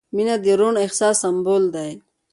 • مینه د روڼ احساس سمبول دی.